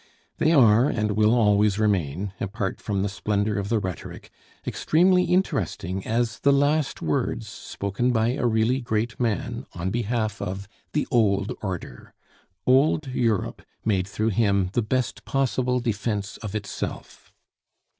They are and will always remain, apart from the splendor of the rhetoric, extremely interesting as the last words spoken by a really great man on behalf of the old order. Old Europe made through him the best possible defense of itself.